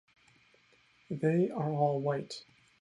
They are all white.